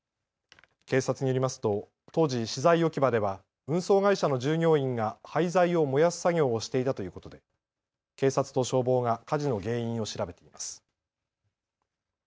警察によりますと当時、資材置き場では運送会社の従業員が廃材を燃やす作業をしていたということで警察と消防が火事の原因を調べています。